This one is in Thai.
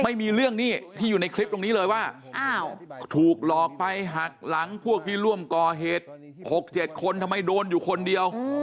ไม่มีเรื่องหนี้ที่อยู่ในคลิปตรงนี้เลยว่าถูกหลอกไปหักหลังพวกที่ร่วมก่อเหตุ๖๗คนทำไมโดนอยู่คนเดียว